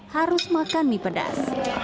harus makan mie pedas